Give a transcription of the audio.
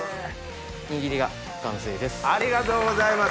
握りが完成です。